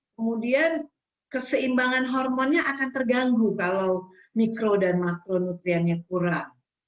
kemudian keseimbangan hormonnya akan terganggu kalau mikro dan makronutriennya kurang